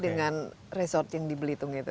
dengan resort yang di belitung itu